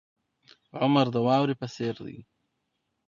عمر د واورې په څیر دی.